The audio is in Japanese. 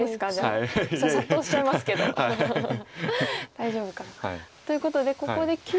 大丈夫かな。ということでここで切りを打って。